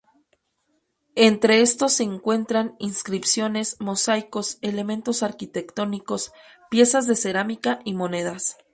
Entre estos se encuentran inscripciones, mosaicos, elementos arquitectónicos, piezas de cerámica y monedas.